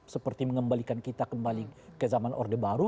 seperti mengembalikan kita kembali ke zaman orde baru